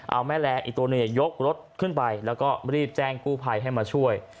เอาแม่แรงอีกตัวหนึ่งยกรถขึ้นไปแล้วก็รีบแจ้งกู้ภัยให้มาช่วย